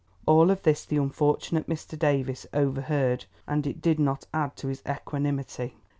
All of this the unfortunate Mr. Davies overheard, and it did not add to his equanimity.